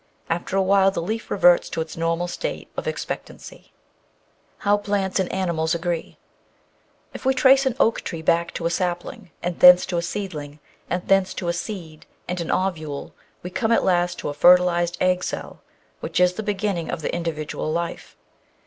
After a while the leaf reverts to its normal state of expectancy. How Plants and Animals Agree If we trace an oak tree back to a sapling, and thence to a seedling, and thence to a seed and an ovule, we come at last to a fertilised egg cell, which is the beginning of the individual life.